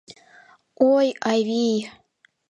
— Ой, авий!